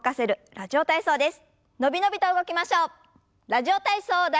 「ラジオ体操第１」。